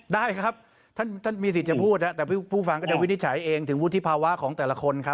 ได้ครับท่านมีสิทธิ์จะพูดแต่ผู้ฟังก็จะวินิจฉัยเองถึงวุฒิภาวะของแต่ละคนครับ